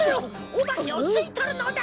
おばけをすいとるのだ！